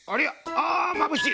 あまぶしい！